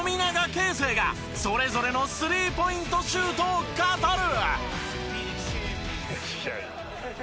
啓生がそれぞれのスリーポイントシュートを語る！